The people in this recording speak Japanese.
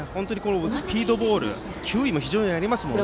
スピードボールで球威も非常にありますから。